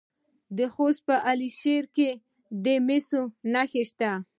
د خوست په علي شیر کې د مسو نښې شته.